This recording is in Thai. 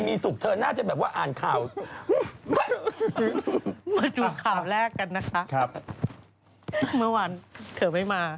คุณจะบอกอะไรถึงคนสั่งไหม